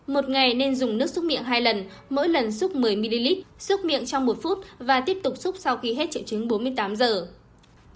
một ngày nên dùng nước xúc miệng hai lần mỗi lần xúc một mươi ml xúc miệng trong một phút và tiếp tục xúc sau khi hết triệu chứng bốn mươi tám giờ